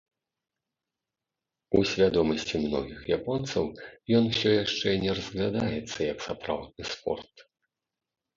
У свядомасці многіх японцаў ён усё яшчэ не разглядаецца як сапраўдны спорт.